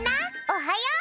おはよう！